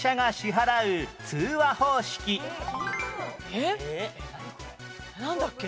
えっなんだっけ？